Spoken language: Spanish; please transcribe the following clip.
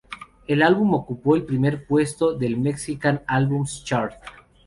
El álbum ocupó el primer puesto del "Mexican Albums Chart".